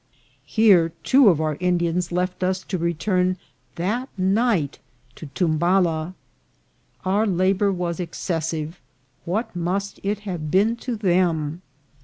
Here two of our In SAN PEDRO. 271 dians left us to return that night to Tumbala ! Our la bour was excessive ; what must it have been to them